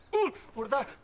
俺だ。